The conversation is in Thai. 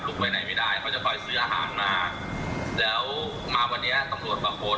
ไปไหนไม่ได้เขาจะคอยซื้ออาหารมาแล้วมาวันนี้ตำรวจบางคน